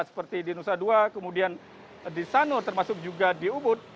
seperti di nusa dua kemudian di sanur termasuk juga di ubud